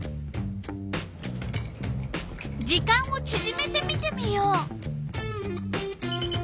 時間をちぢめて見てみよう。